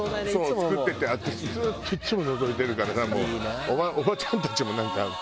作ってて私ずっといっつものぞいてるからさもうおばちゃんたちもなんか。